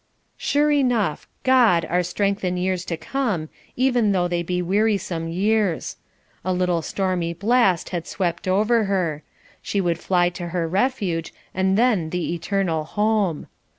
Sure enough! God our "strength in years to come," even though they be wearisome years. A little "stormy blast" had swept over her. She would fly to her Refuge, and then the "eternal home."